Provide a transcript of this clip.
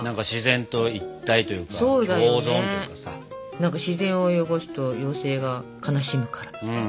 何か「自然を汚すと妖精が悲しむから」